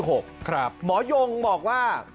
หมอยงบอกว่า